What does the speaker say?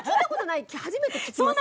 初めて聞きますね。